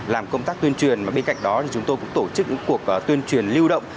làm công tác tuyên truyền bên cạnh đó chúng tôi cũng tổ chức những cuộc tuyên truyền lưu động